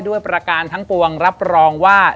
ประการทั้งปวงรับรองว่า